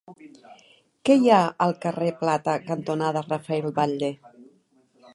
Què hi ha al carrer Plata cantonada Rafael Batlle?